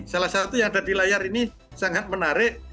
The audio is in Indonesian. salah satu yang ada di layar ini sangat menarik